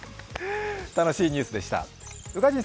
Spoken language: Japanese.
楽しいニュースでした。